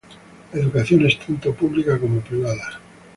La educación es tanto pública como privada.